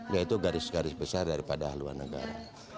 yaitu garis garis besar daripada haluan negara